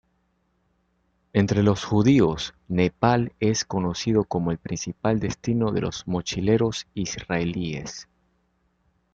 Entre los judíos, Nepal es conocido como el principal destino de los mochileros israelíes.